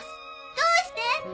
どうして？